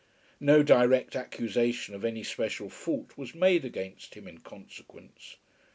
No direct accusation of any special fault was made against him in consequence.